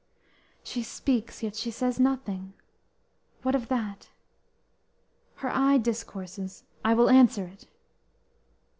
She speaks, yet she says nothing: What of that: Her eye discourses, I will answer it.